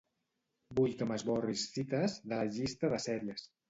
Vull que esborris "Cites" de la llista de sèries.